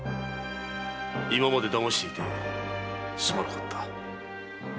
今まで騙していてすまなかった。